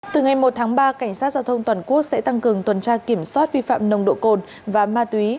từ ngày một tháng ba cảnh sát giao thông toàn quốc sẽ tăng cường tuần tra kiểm soát vi phạm nồng độ cồn và ma túy